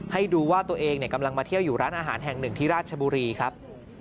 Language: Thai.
ให้ดูว่าตัวเองกำลังมาเที่ยวอยู่ร้านอาหารแห่งหนึ่งที่ราชบุรีครับ